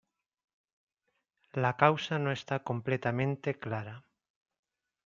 La causa no esta completamente clara.